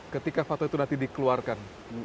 ketika fatwa itu nanti dikeluarkan